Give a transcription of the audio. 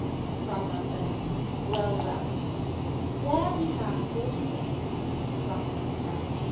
Cromwell said, 'Well, well!' 'There we have forty minutes,' Throckmorton said.